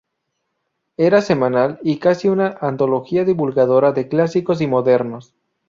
Era semanal y casi una antología divulgadora de clásicos y modernos.